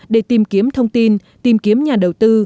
để tìm kiếm thông tin tìm kiếm nhà đầu tư